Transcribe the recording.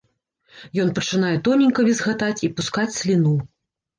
Ён пачынае тоненька візгатаць і пускаць сліну.